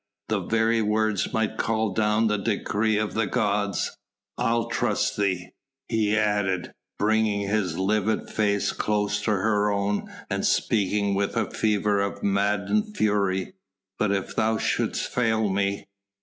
The very words might call down the decree of the gods.... I'll trust thee," he added, bringing his livid face close to her own and speaking with a fever of maddened fury, "but if thou shouldst fail me...."